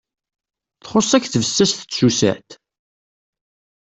Txus-ak tbessast d tsusat?